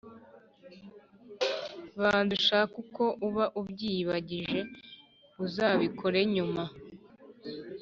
banza ushake uko uba ubyiyibagije uzabikorev nyuma